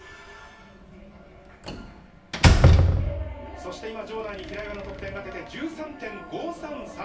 そして今、場内に平岩の得点が出て１３．５３３。